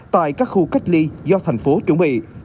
tại các khu cách ly do thành phố chuẩn bị